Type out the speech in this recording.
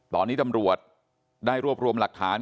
ตอนนี้ตำรวจได้รวบรวมหลักฐาน